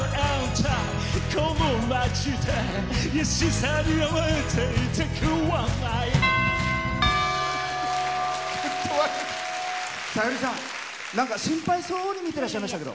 さゆりさん、心配そうに見てらっしゃいましたけど。